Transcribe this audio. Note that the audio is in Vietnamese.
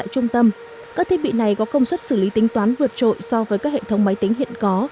trung tâm các thiết bị này có công suất xử lý tính toán vượt trội so với các hệ thống máy tính hiện có